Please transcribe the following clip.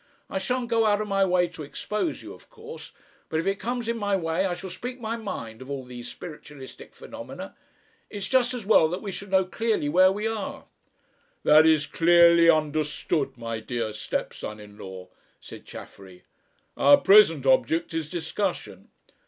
I shan't go out of my way to expose you, of course, but if it comes in my way I shall speak my mind of all these spiritualistic phenomena. It's just as well that we should know clearly where we are." "That is clearly understood, my dear stepson in law," said Chaffery. "Our present object is discussion."